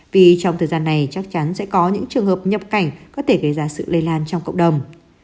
vì trong thời gian này chắc chắn sẽ có những trường hợp nhập cảnh có thể gây ra sự lây lan trong cộng đồng